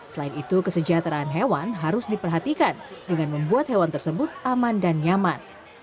selain itu kesejahteraan hewan harus diperhatikan dengan membuat hewan tersebut aman dan nyaman